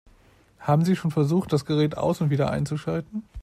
Haben Sie schon versucht, das Gerät aus- und wieder einzuschalten?